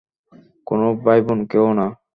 কোনো ভাই-বোনকেও না।